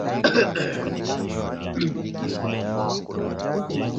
kusini mwa AfrikaRipoti ya mwaka elfu mbili na kumi na sita ya Maendeleo